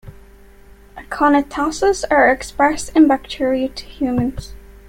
Aconitases are expressed in bacteria to humans.